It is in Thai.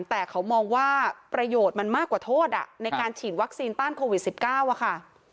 แต่เขามองว่าประโยชน์มันมากกว่าโทษในการฉีดวัคซีนต้านโควิด๑๙ค่ะ